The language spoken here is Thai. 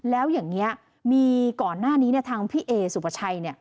แล้วอย่างนี้มีก่อนหน้านี้ทางพี่เอสุพชัย